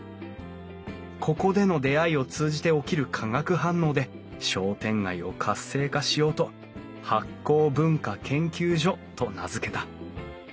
ここでの出会いを通じて起きる化学反応で商店街を活性化しようと醗酵文化研究所と名付けた。